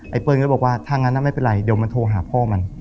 เปิ้ลก็บอกว่าถ้างั้นไม่เป็นไรเดี๋ยวมันโทรหาพ่อมัน